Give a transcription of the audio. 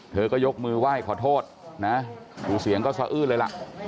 เธอก็ยกมือไหว้ขอโทษนะคือเสียงก็สะอื้นเลยล่ะ